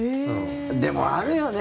でもあるよね。